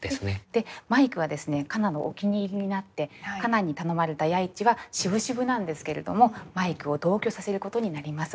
でマイクはですね夏菜のお気に入りになって夏菜に頼まれた弥一はしぶしぶなんですけれどもマイクを同居させることになります。